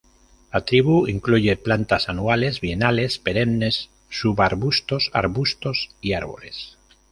La tribu incluye plantas anuales, bienales, perennes, subarbustos, arbustos y árboles.